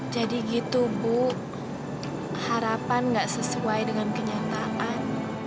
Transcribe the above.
jadi gitu bu harapan gak sesuai dengan kenyataan